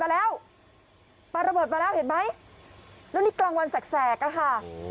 แล้วนี้กลางวันแสกอะค่ะ